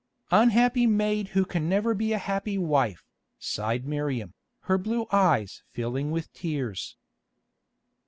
"Unhappy maid who can never be a happy wife," sighed Miriam, her blue eyes filling with tears.